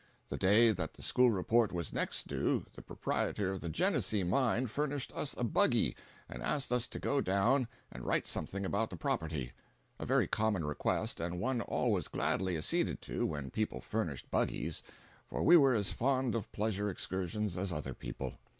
The day that the school report was next due, the proprietor of the "Genessee" mine furnished us a buggy and asked us to go down and write something about the property—a very common request and one always gladly acceded to when people furnished buggies, for we were as fond of pleasure excursions as other people.